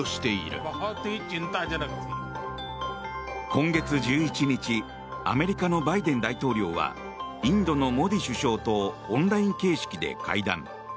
今月１１日アメリカのバイデン大統領はインドのモディ首相とオンライン形式で会談。